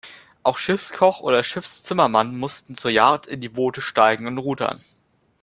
Auch Schiffskoch oder Schiffszimmermann mussten zur Jagd in die Boote steigen und rudern.